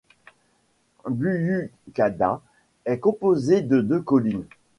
Büyükada est composée de deux collines.